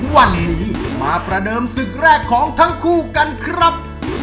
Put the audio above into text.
วันนี้มาประเดิมศึกแรกของทั้งคู่กันครับ